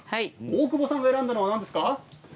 大久保さんが選んだのは何ですか。